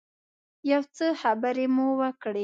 یو څه خبرې مو وکړې.